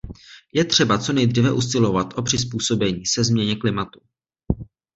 Je třeba co nejdříve usilovat o přizpůsobení se změně klimatu.